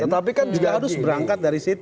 tetapi kan juga harus berangkat dari situ